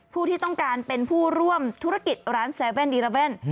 ผู้ที่ต้องการเป็นผู้ร่วมธุรกิจร้าน๗๑๑